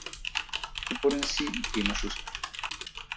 Упорен си ќе имаш успех.